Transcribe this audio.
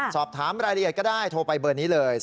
สอบถามรายละเอียดก็ได้โทรไปเบอร์นี้เลย